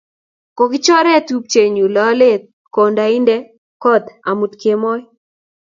kokichore tupchenyu lolet konda inde kot amut kemoi